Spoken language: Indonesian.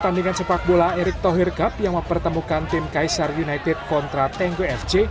pertandingan sepak bola erik thohirgap yang mempertemukan tim kaisar united kontra tenggo fc